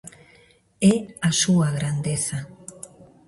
É a súa grandeza.